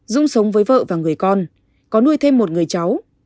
dung sống với vợ và người con có nuôi thêm một người cháu